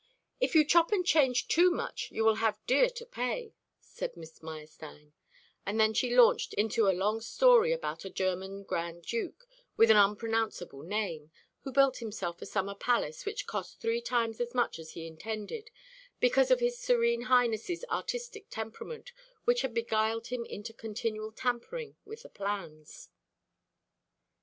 "If you chop and change too much you will have dear to pay," said Miss Meyerstein; and then she launched into a long story about a German Grand Duke, with an unpronounceable name, who built himself a summer palace which cost three times as much as he intended, because of his Serene Highness's artistic temperament, which had beguiled him into continual tampering with the plans.